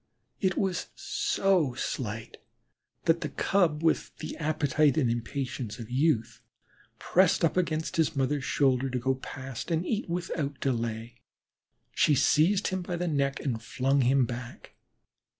It was so slight that the Cub, with the appetite and impatience of youth, pressed up against his mother's shoulder to go past and eat without delay. She seized him by the neck and flung him back.